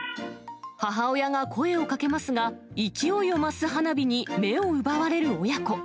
母親が声をかけますが、勢いを増す花火に目を奪われる親子。